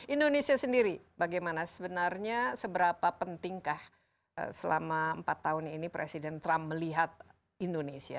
indonesia sendiri bagaimana sebenarnya seberapa pentingkah selama empat tahun ini presiden trump melihat indonesia